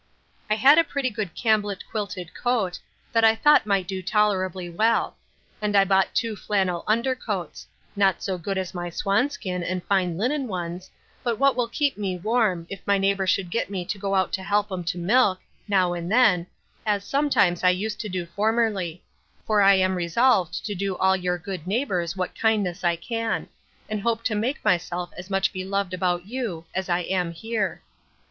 I had a pretty good camblet quilted coat, that I thought might do tolerably well; and I bought two flannel undercoats; not so good as my swanskin and fine linen ones, but what will keep me warm, if any neighbour should get me to go out to help 'em to milk, now and then, as sometimes I used to do formerly; for I am resolved to do all your good neighbours what kindness I can; and hope to make myself as much beloved about you, as I am here.